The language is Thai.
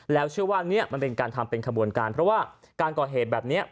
แล้วเชื่อว่าเนี่ยมันเป็นการทำเป็นขบวนการเพราะว่าการก่อเหตุแบบนี้